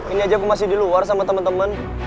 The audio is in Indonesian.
ini aja aku masih di luar sama teman teman